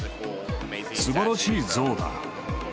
すばらしい像だ。